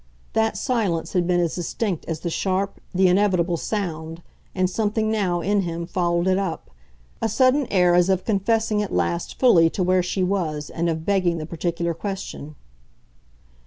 That silence had been as distinct as the sharp, the inevitable sound, and something now, in him, followed it up, a sudden air as of confessing at last fully to where she was and of begging the particular question.